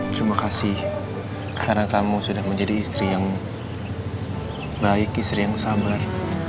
terima kasih karena kamu sudah menjadi istri yang baik istri yang sabar